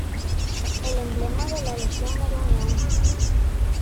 El emblema de la legión era un león.